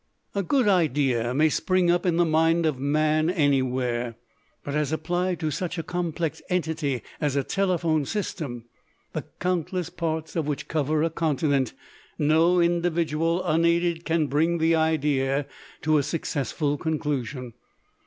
A good idea may spring up in the mind of man anywhere, but as applied to such a complex entity as a telephone system, the countless parts of which cover a continent, no individual unaided can bring the idea to a successful conclusion.